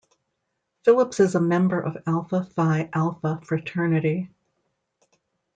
Phillips is a member of Alpha Phi Alpha fraternity.